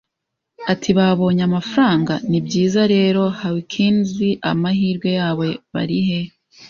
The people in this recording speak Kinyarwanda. Ati: "Babonye amafaranga? Nibyiza rero, Hawkins, amahirwe yabo barihe